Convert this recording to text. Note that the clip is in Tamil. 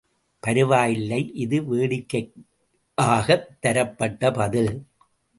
பரவாயில்லை இது வேடிக்கைக்காகத் தரப்பட்ட பதில்.